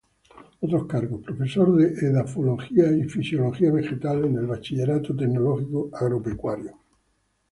Otros Cargos: Profesor de Edafología y Fisiología Vegetal en el Bachillerato Tecnológico Agropecuario No.